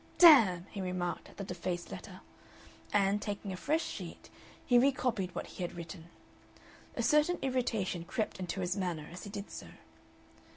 "Damn!" he remarked at the defaced letter; and, taking a fresh sheet, he recopied what he had written. A certain irritation crept into his manner as he did so.